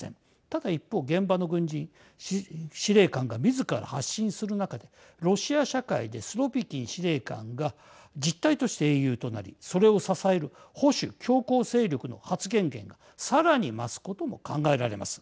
ただ一方、現場の軍人司令官が、みずから発信する中でロシア社会でスロビキン司令官が実態として英雄となり、それを支える保守強硬勢力の発言権がさらに増すことも考えられます。